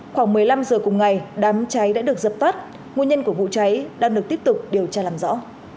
khoảng một mươi năm giờ cùng ngày đám cháy đã được dập tắt nguồn nhân của vụ cháy đang được tiếp tục điều tra làm rõ